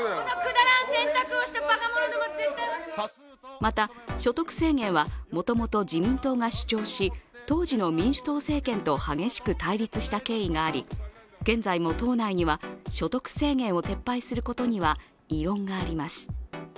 また、所得制限はもともと自民党が主張し当時の民主党政権と激しく対立した経緯があり、現在も党内には所得制限を撤廃することには異論があります。